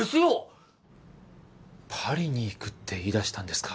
ッパリに行くと言い出したんですか